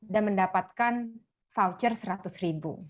dan mendapatkan voucher seratus ribu